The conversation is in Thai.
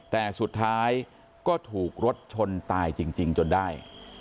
แต่สุดท้ายก็ถูกรถชนตายจริงจนได้